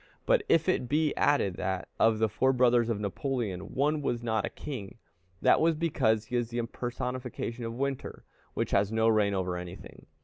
But if it be added that, of the four brothers of Napoleon, one was not a king, that was because he is the impersonification of Winter, which has no reign over anything.